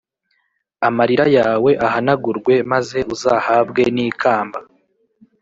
Amarira yawe ahanagurwe maz’ uzahabwe n ‘ikamba